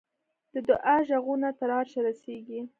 د دعا ږغونه تر عرشه رسېږي.